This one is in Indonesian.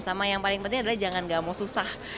sama yang paling penting adalah jangan gak mau susah